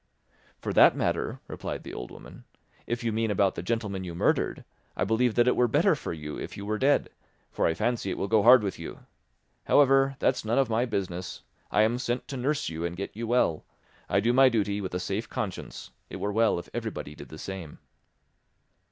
"For that matter," replied the old woman, "if you mean about the gentleman you murdered, I believe that it were better for you if you were dead, for I fancy it will go hard with you! However, that's none of my business; I am sent to nurse you and get you well; I do my duty with a safe conscience; it were well if everybody did the same."